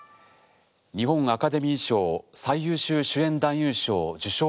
日本アカデミー賞最優秀主演男優賞受賞